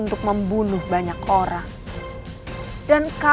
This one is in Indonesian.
tapi bagaimana caranya dewa